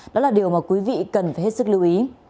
đó là điều mà quý vị cần phải hết sức lưu ý